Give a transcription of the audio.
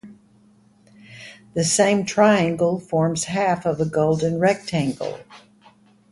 The same triangle forms half of a golden rectangle.